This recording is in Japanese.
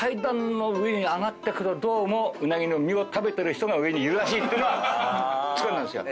どうもうなぎの身を食べてる人が上にいるらしいっていうのはつかんだんですよ。